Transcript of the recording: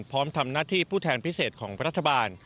พร้อมทำหน้าที่ผู้แทนพิเศษของรัฐบาล